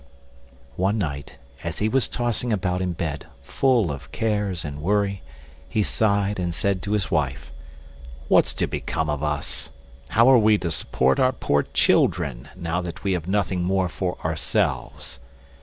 One night, as he was tossing about in bed, full of cares and worry, he sighed and said to his wife: "What's to become of us? how are we to support our poor children, now that we have nothing more for ourselves?"